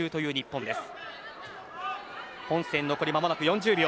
本戦残り間もなく４０秒。